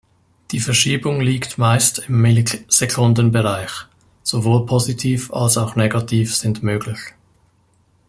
Die Verschiebung liegt meist im Millisekunden-Bereich, sowohl positiv als auch negativ sind möglich.